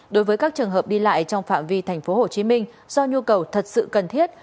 đối với các trường hợp đi lại trong phạm vi thành phố hồ chí minh do nhu cầu thật sự cần thiết